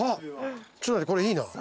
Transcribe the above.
ちょっと待ってこれいいな。